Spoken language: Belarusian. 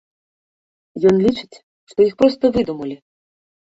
Ён лічыць, што іх проста выдумалі.